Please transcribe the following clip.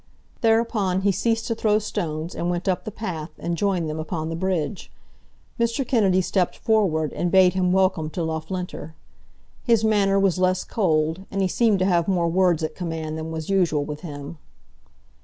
Thereupon he ceased to throw stones, and went up the path, and joined them upon the bridge. Mr. Kennedy stepped forward, and bade him welcome to Loughlinter. His manner was less cold, and he seemed to have more words at command than was usual with him.